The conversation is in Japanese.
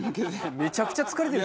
めちゃくちゃ疲れてる。